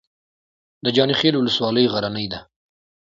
د جاني خیل ولسوالۍ غرنۍ ده